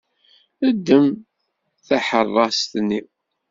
Ddem taḥeṛṛast-nni.